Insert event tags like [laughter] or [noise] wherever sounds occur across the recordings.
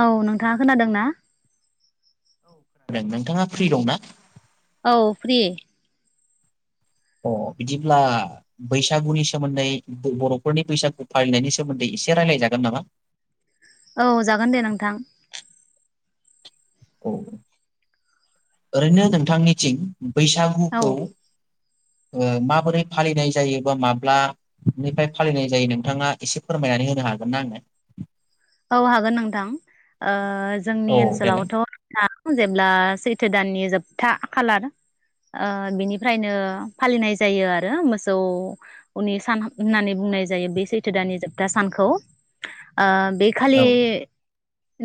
औ नोंथाङा खोनादों ना? औ खोनादों नोंथाङा फ्रि दं ना? औ फ्रि अ बिदिब्ला बैसागुनि सोमोन्दै बर'फोरनि बैसागु फालिनायनि सोमोन्दै एसे राय्लायजागोन नामा? औ जागोन दे नोंथां। औ ओरैनो नोंथांनिथिं औ बैसागुखौ ओ माबोरै फालिनाय जायो बा माब्लानिफ्राय फालिनाय जायो, नोंथाङा एसे फोरमायनानै होनो हागोन ना आंनो? औ हागोन नोंथां ओ जोंनि औ देलाय ओनसोलावथ' जेब्ला सैथो दाननि जोबथा‌ जोबथा खालार ओ बिनिफ्रायनो फालिनाय जायो आरो मोसौनि सान होननानै बुंनाय जायो बे सैथो दानानि जोबथा सानखौ ओ खालि औ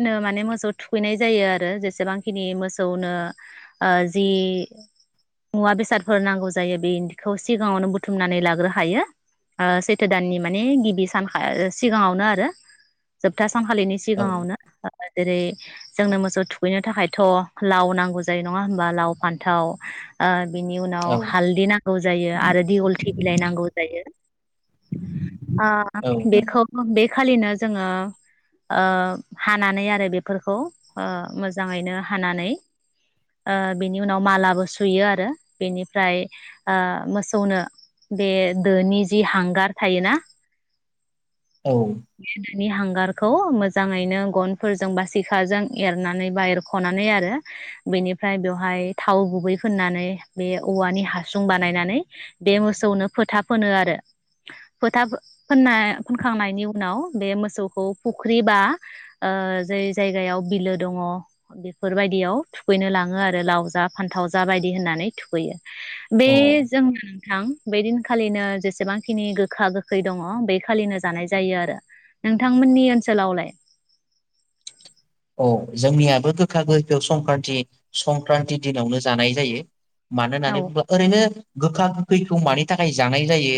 नो माने मोसौ थुखैनाय जायो आरो जेसेबांखिनि मोसौनो ओ जि मुवा बेसादफोर नांगौ जायो बेखौ सिगाङावनो बुथुमनानै लाग्रो हायो ओ सैथो दाननि माने गिबि सान सिगाङावनो आरो। जोबथा सानखालिनि औ सिगाङावनो जेरै जोंनो मोसौ थुखैनो थाखायथ' लाव नांगौ जायो नङा होमबा लाव फान्थाव ओ बिनि उनाव औ हालदि नांगौ जायो आरो दिलथि बिलाइ नांगौ जायो औ ओ नों बेखौ [unintelligible] खालिनो जोङो ओ हानानै आरो बेफोरखौ ओ मोजाङैनो हानानै ओ बेनि उनाव मालाबो सुयो आरो बेनिफ्राय ओ मोसौनो बे दोनि जि हांगार थायोना औ बि हां गारखौ मोजाङैनो गनफोरजों बा सिखाजों एरनानै बा एरख'नानै आरो बेनिफ्राय बेवहाय थाव गुबै फोननानै बे औवानि हासुं बानायनानै बे मोसौनो फोथा फोनो आरो फोथा फोननाय फोनखांनायनि उनाव बे मोसौ खौ फुख्रि बा जै जायगायाव बिलो दङ बेफोरबायदियाव थुखैनो लाङो आरो लाव जा फान्थाव जा बायदि होननानै थुखैयो बे औ अ जोंनो नोंथां बे दिनखालिनो जेसेबांखिनि गोखा गोखै दङ बे खालिनो जानाय जायो आरो नों थां मोननि ओनसोलावलाय अ जोंनियाबो गोखा गोखै संक्रान्त संक्रान्ति दिनावनो जानाय जायो मानो औ होननानै बुङोबा ओरैनो गोखा गोखैखौ मानि थाखाय जानाय जायो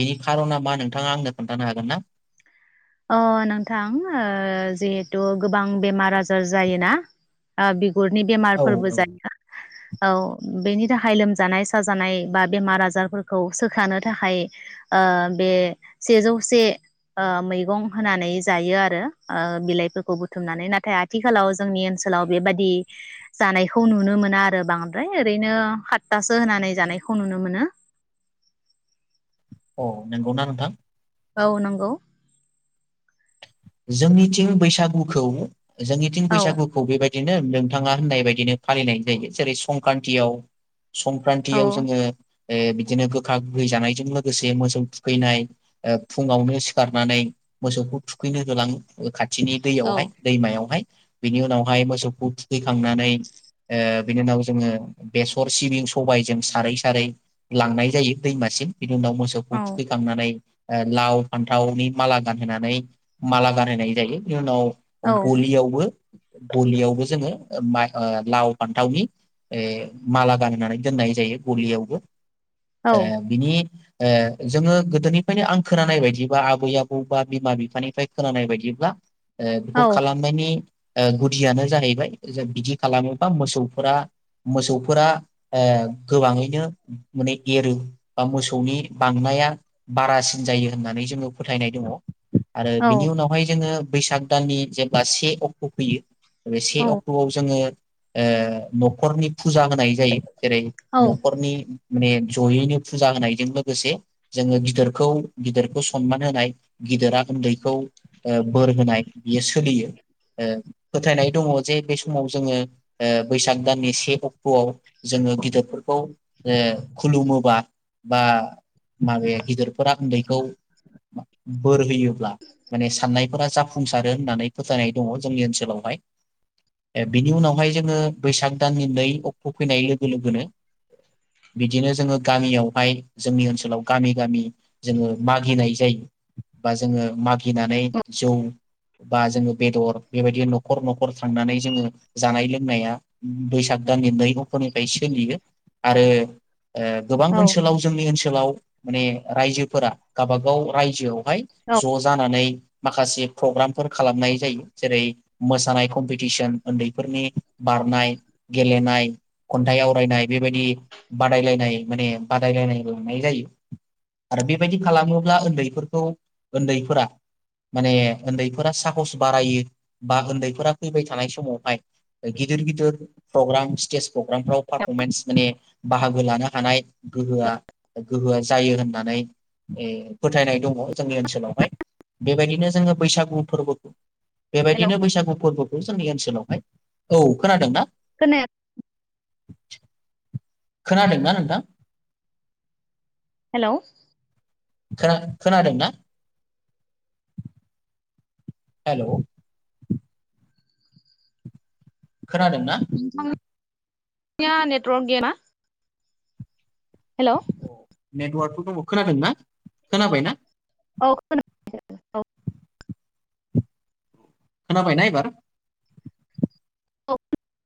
बेनि खारना मा नोंथाङा आंनो खोन्थानो हागोन ना अ नोंथां जिहेथु गोबां बेमार आजार जायोना बिगुरनि औ बेमारफोरबो जायोना औ बेनि थाखाय लोमजानाय साजानाय बा बेमार आजारफोरखौ सोखानो थाखाय बे सेजौसे मै गं होनानै जायो आरो बिलाइफोरखौ बुथुमनानै नाथाय आथिखालाव जोंनि ओनसोलाव बेबादि जानायखौ नुनो मोना आरो बांद्राय ओरैनो साततासो होनानै जानायखौ नुनो मोनो अ नंगौना नंङा औ नंगौ जोंनिथिं बैसागुखौ जोंनि थिं औ बैसागुखौ बेबायदि नो नोंथाङा होननाय बायदिनो फालिनाय जायो जेरै संक्रान्तियाव औ संक्रान्तियाव जोङो बिदिनो गोखा गोहै जानायजों लोगोसे मोसौ थुखैनाय फुङावनो सिखारनानै मोसौखौ थु खैनो होलां ङो खाथिनि औ दैयावहाय दैमायावहाय बिनि उनावहाय मोसौखौ थुखैखांनानै बिनि उनाव जोङो बेसर सिबिं सबायजों सारै सारै लांनाय जायो दैमासिम बिनि उनाव मोसौखौ थुखैखांनानै लाव फान्थावनि माला गानहोनानै माला गानहोनाय जायो इनि उनाव औ गलियावबो गलियावबो जोङो लाव फान्थावनि माला गाननानै दोननाय जायो गलियावबो ए बिनि जोङो गोदोनिफ्रायनो आं खोनानाय बायदिबा आबै आबौ बा बिमा बिफानि खोनानाय बायदिब्ला औ बेखौ खालामनायनि गुदियानो जाहैबाय बिदि खालामोबा मोसौफोरा मोसौफोरा गोबाङैनो माने एरो बा मोसौनि बांनाया बारासिन जायो होननानै जोङो फोथायनाय दङ आरो बिनि उनावहाय जोङो बैसाग दाननि जेब्ला से अक्ट' फैयो बे औ से अक्ट'आव जोङो ओ न'खरनि फुजा होनाय जायो जेरै न'खरनि माने जयैनो फुजा होनायजों लोगोसे जोङो गिदोरखौ गिदोरखौ सनमान होनाय गिदोरा उन्दैखौ ओ बोर होनाय बियो सोलियो फोथायनाय दङ' जे बे समाव जोङो ओ बैसाग दाननि से अक्ट'आव जोङो गिदिरफोरखौ ओ खुलुमोबा बा माबाया गिदिरफोरा उन्दै खौ बोर होयो ब्ला माने साननायफोरा जाफुंसारो होननानै फोथायनाय दङ' जोंनि ओनसोलावहाय बिनि उनावहाय जोङो बैसाग दाननि नै अक्ट' फैनाय लोगो लोगोनो बिदिनो जोङो गामियावहाय जोंनि ओनसोलाव गामि गामि जोङो मागिनाय जायो बा जोङो मागिनानै जौ बा जोङो बेदर बेबायदि न'खर न'खर थांनानै जोङो जानाय लोंनाया बैसाग दाननि नै अक्ट'निफ्राय सोलियो आरो ओ गोबां औ ओनसोलाव जोंनि ओनसो सोलाव माने रायजोफोरा गाबा गाव रायजोआव हाय औ ज' जानानै माखासे प्रग्रामफोर खालामनाय जायो जेरै मोसानाय कम्पिटिसोन, उन्दैफोरनि बारनाय, गेलेनाय, खन्थाइ आवरायनाय बेबायदि बादायलायनाय माने बादायलायनायबो‌ नुनाय जायो आरो बेबायदि खालामोब्ला उन्दैफोरखौ ओन्दैफोरा माने ओन्दैफोरा साहस बारायो बा ओन्दैफोरा फैबाय थानाय समावहाय गिदिर गिदिर प्रग्राम स्टेज प्रग्रामफ्राव पारफरमेन्स माने बाहागो लानो हानाय गोहोआ गोहोआ जायो होननानै ऐ फोथायनाय दङ' जोंनि ओनसो सोलावहाय बेबायदिनो जोङो बैसागु फोरबो हेलौ बेबायदिनो बैसागु फोरबोखौ जोंनि ओनसोलावहाय औ खोनादोंना खोनाया खोनादोंना नोंथां? हेल' खोना खोनादों ना हेलौ खोनादों ना? निया नेटवर्क गैया नामा हेल' नेटवार्कथ' दङ' खोनादोंना खोनाबायना? औ [unintelligible] खोनाबायना एबार? अ [unintelligible]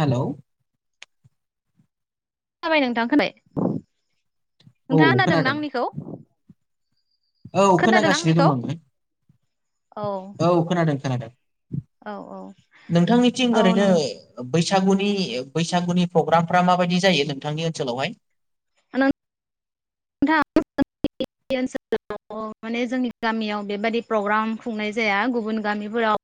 हेलौ [unintelligible] नोंथां [unintelligible] नोंथाङा खोनादों ना आंनिखौ? औ खोनागासिनो दङ' आङो औ खोनादों खोनोदों औ औ नोंथांनिथिं औ ओरैनो नंगौ बैस सागुनि बैसागुनि प्रग्रामफ्रा माबायदि जायो नोंथांनि ओनसोलावहाय? [unintelligible] माने जोंनि गामियाव बेबायादि प्रग्राम खुंनाय जाया गुबुन गामिफोराव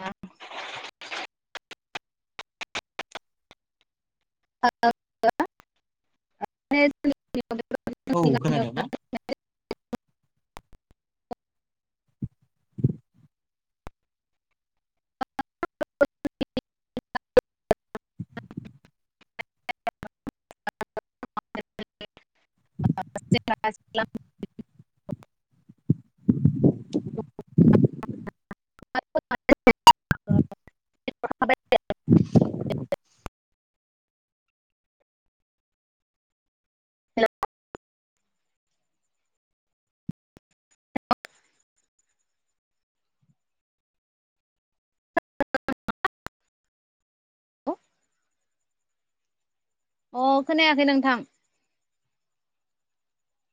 [unintelligible] [unintelligible] औ खोनादों ना [unintelligible] [unintelligible] [inaudible] [unintelligible] [unintelligible] अ खोनायाखै नोंथां